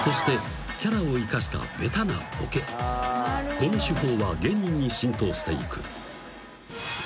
［この手法は芸人に浸透していく］